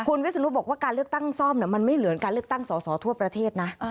คุณวิศนุบอกว่าการเลือกตั้งซ่อมมันไม่เหลือการเลือกตั้งสอสอทั่วประเทศนะ